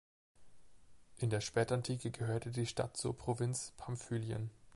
In der Spätantike gehörte die Stadt zur Provinz Pamphylien.